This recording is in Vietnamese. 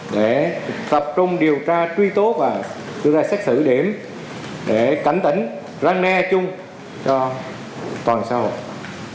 để tập trung điều tra truy tố và đưa ra xét xử điểm để cảnh tỉnh răng đe chung cho toàn xã hội